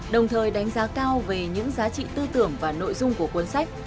đồng thời đánh giá cao về những giá trị tư tưởng và nội dung của cuốn sách